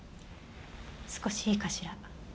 少しいいかしら？